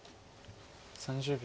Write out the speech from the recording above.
３０秒。